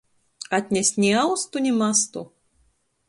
Atnest ni austu, ni mastu.